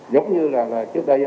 giống như là trước đây